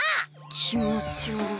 気持ち悪っ。